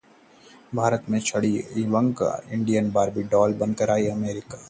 भारत में छाई रही इवांका की ड्रेस, इंडियन बार्बी डॉल बनकर गईं अमेरिका